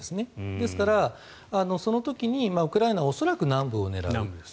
ですから、その時にウクライナは恐らく南部を狙う。